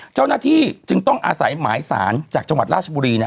เจ้าหน้าที่จึงต้องอาศัยหมายสารจากจังหวัดราชบุรี